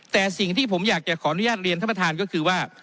แต่สิ่งที่ผมอยากจะขออนุญาตเรียนท่านประธานก็คือว่า